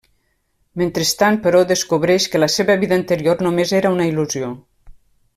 Mentrestant, però, descobreix que la seva vida anterior només era una il·lusió.